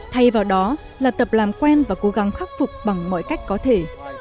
thay vào đó là tập làm quen và cố gắng khắc phục bằng mọi cách có thể